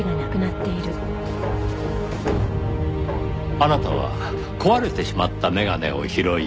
あなたは壊れてしまった眼鏡を拾い